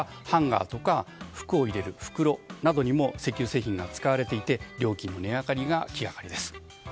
ハンガーとか服を入れる袋などにも石油製品が使われていて料金の値上がりが気がかりです。